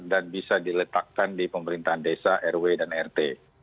dan bisa diletakkan di pemerintahan desa rw dan rt